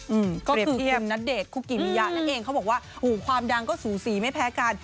อืมก็คือคุณนเดชคุกิมิยะนั่นเองเขาบอกว่าหูความดังก็สูสีไม่แพ้กัน